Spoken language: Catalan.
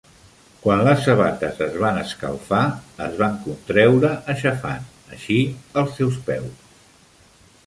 Quan les sabates es van escalfar, es van contreure aixafant, així, els seus peus.